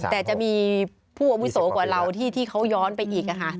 แต่จะมีผู้อาวุโสกว่าเราที่เขาย้อนไปอีก